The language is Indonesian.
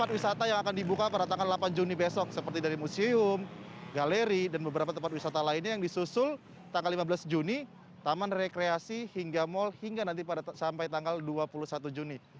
tempat wisata yang akan dibuka pada tanggal delapan juni besok seperti dari museum galeri dan beberapa tempat wisata lainnya yang disusul tanggal lima belas juni taman rekreasi hingga mal hingga nanti pada sampai tanggal dua puluh satu juni